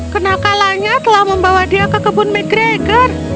kenakalanya telah membawa dia ke kebun mcgregor